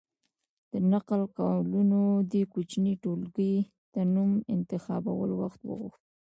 د نقل قولونو دې کوچنۍ ټولګې ته نوم انتخابول وخت وغوښت.